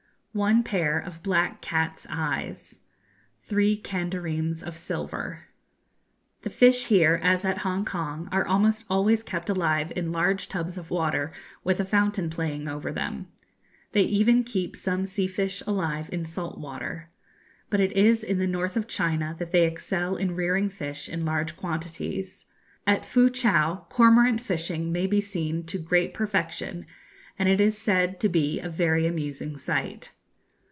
One pair of black cat's eyes three kandareems of silver. The fish here, as at Hongkong, are almost always kept alive in large tubs of water, with a fountain playing over them. They even keep some sea fish alive in salt water. But it is in the north of China that they excel in rearing fish in large quantities. At Foo chow cormorant fishing may be seen to great perfection, and it is said to be a very amusing sight.